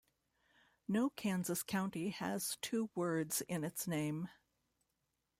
No Kansas county has two words in its name.